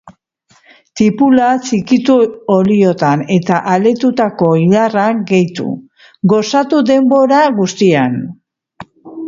Tipula txikitu oliotan, eta aletutako ilarrak gehitu, goxatu denbora gutxian.